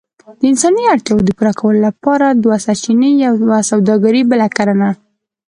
د انساني اړتياوو د پوره کولو لپاره دوه سرچينې، يوه سووداګري بله کرنه.